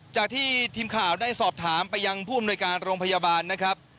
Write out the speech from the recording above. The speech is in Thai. จากที่ทีมข่าวได้สอบถามไปยังผู้อำนวยการโรงพยาบาลนะครับ